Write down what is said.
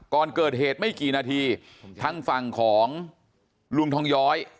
ก่อนเกิดเหตุไม่กี่นาทีทางฝั่งของลุงทองย้อย